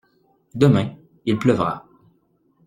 Demain il pleuvra.